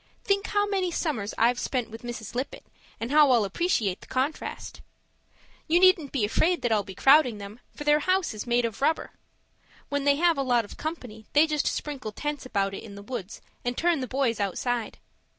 Think how many summers I've spent with Mrs. Lippett and how I'll appreciate the contrast. You needn't be afraid that I'll be crowding them, for their house is made of rubber. When they have a lot of company, they just sprinkle tents about in the woods and turn the boys outside.